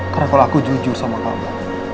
karena kalau aku jujur sama kamu